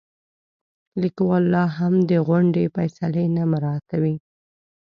لیکوال لاهم د غونډې فیصلې نه مراعاتوي.